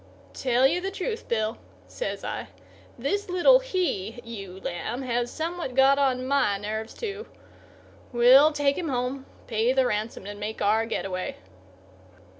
"Tell you the truth, Bill," says I, "this little he ewe lamb has somewhat got on my nerves too. We'll take him home, pay the ransom and make our get away."